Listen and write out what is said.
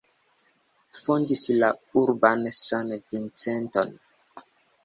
Fondis la urbon San-Vicenton.